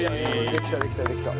できたできたできた。